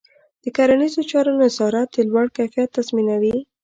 د کرنيزو چارو نظارت د لوړ کیفیت تضمینوي.